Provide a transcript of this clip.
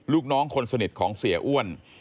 ลูกน้องคนสนิทของเสียอ้วน